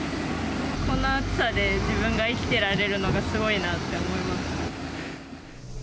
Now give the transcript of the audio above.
こんな暑さで自分が生きてられるのがすごいなって思います。